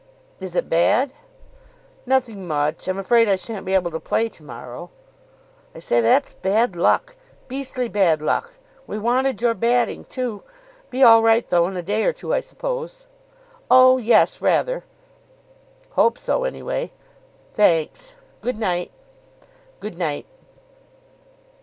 "Is it bad?" "Nothing much. I'm afraid I shan't be able to play to morrow." "I say, that's bad luck. Beastly bad luck. We wanted your batting, too. Be all right, though, in a day or two, I suppose?" "Oh, yes, rather." "Hope so, anyway." "Thanks. Good night." "Good night."